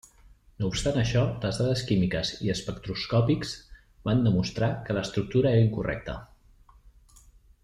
No obstant això, les dades químiques i espectroscòpics van demostrar que l'estructura era incorrecta.